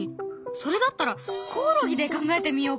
それだったらコオロギで考えてみようかな。